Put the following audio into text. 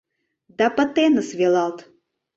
Да пытеныс велалт.